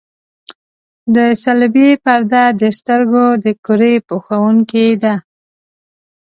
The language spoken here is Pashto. د صلبیې پرده د سترګو د کرې پوښوونکې ده.